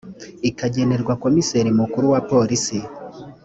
ikagenerwa komiseri mukuru wa polisi